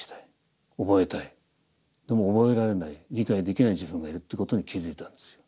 でも覚えられない理解できない自分がいるということに気付いたんですよ。